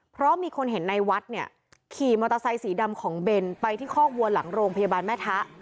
เพราะมีคนเห็นในวัดเนี่ยขี่มอเตอร์ไซสีดำของเบนไปที่คอกวัวหลังโรงพยาบาลแม่ทะ